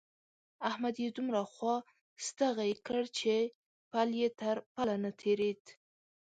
احمد يې دومره خوا ستغی کړ چې پل يې تر پله نه تېرېد.